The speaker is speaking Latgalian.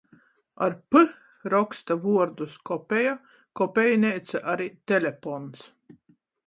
Ar p rokstu vuordus kopeja, kopejneica, ari telepons.